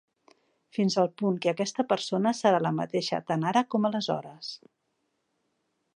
Fins al punt que aquesta persona serà la mateixa tant ara com aleshores.